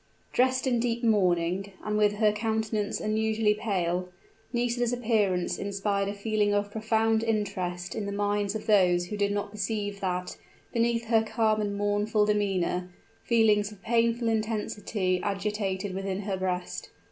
Dressed in deep mourning, and with her countenance unusually pale, Nisida's appearance inspired a feeling of profound interest in the minds of those who did not perceive that, beneath her calm and mournful demeanor, feelings of painful intensity agitated within her breast.